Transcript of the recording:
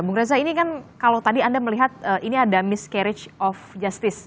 bung reza ini kan kalau tadi anda melihat ini ada miscarage of justice